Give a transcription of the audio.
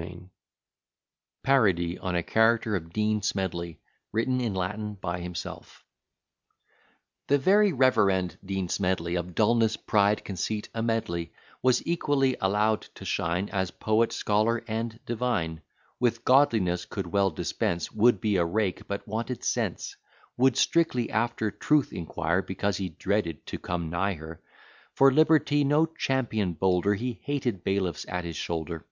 B._] PARODY ON A CHARACTER OF DEAN SMEDLEY, WRITTEN IN LATIN BY HIMSELF The very reverend Dean Smedley, Of dulness, pride, conceit, a medley, Was equally allow'd to shine As poet, scholar, and divine; With godliness could well dispense, Would be a rake, but wanted sense; Would strictly after Truth inquire, Because he dreaded to come nigh her. For Liberty no champion bolder, He hated bailiffs at his shoulder.